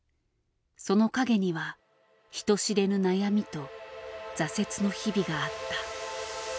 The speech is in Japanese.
その陰には人知れぬ悩みと挫折の日々があった。